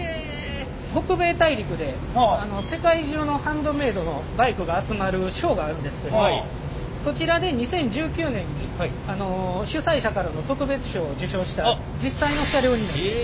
北米大陸で世界中のハンドメードのバイクが集まるショーがあるんですけどそちらで２０１９年に主催者からの特別賞を受賞した実際の車両になります。